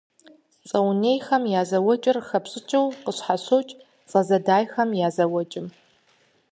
Цӏэ унейхэм я зэуэкӏыр хэпщӏыкӏыу къыщхьэщокӏ цӏэ зэдайхэм я зэуэкӏым.